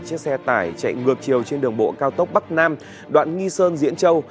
chiếc xe tải chạy ngược chiều trên đường bộ cao tốc bắc nam đoạn nghi sơn diễn châu